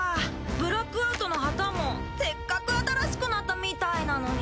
ブラックアウトの旗もせっかく新しくなったみたいなのに。